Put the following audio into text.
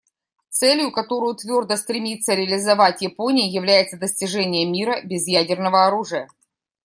Целью, которую твердо стремится реализовать Япония, является достижение мира без ядерного оружия.